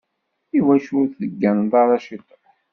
Iwacu ur tegganeḍ ara ciṭuḥ?